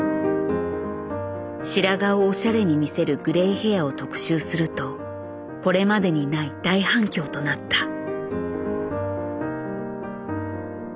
白髪をおしゃれに見せるグレイヘアを特集するとこれまでにない大反響となった。